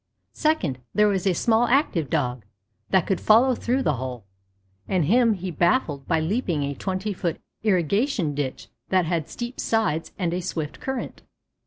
Second, there was a small active Dog that could follow through that hole, and him he baffled by leaping a twenty foot irrigation ditch that had steep sides and a swift current.